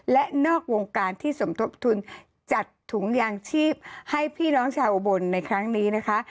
และนอกวงการที่สมทบทุนจัดถุงยางชีพให้พี่น้องชาวอุบลในครั้งนี้นะคะ